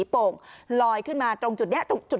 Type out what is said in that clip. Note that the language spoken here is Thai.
หญิงบอกว่าจะเป็นพี่ปวกหญิงบอกว่าจะเป็นพี่ปวก